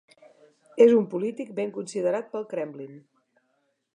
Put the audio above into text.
És un polític ben considerat pel Kremlin.